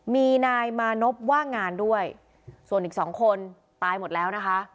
มีนายมานพว่างงานด้วยส่วนอีกสองคนตายหมดแล้วนะคะ